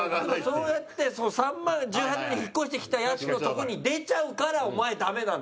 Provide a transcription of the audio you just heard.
「そうやって３万１８万に引っ越してきたやつのとこに出ちゃうからお前ダメなんだよ」